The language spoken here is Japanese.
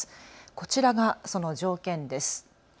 こちらがその条件です。